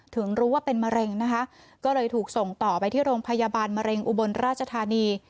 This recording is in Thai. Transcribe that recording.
ถึงรู้ว่าเป็นมะเร็งนะคะก็เลยถูกส่งต่อไปที่โรงพยาบาลมะเร็งอุบลราชธานี